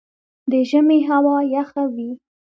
د ژمي هوا یخه وي